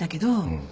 うん。